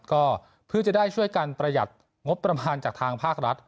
ก็เพื่อจะได้ช่วยกันประหยัดงบประมาณจากทางภาครัฐ